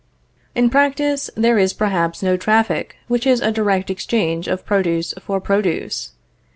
In practice, there is perhaps no traffic which is a direct exchange of produce for produce.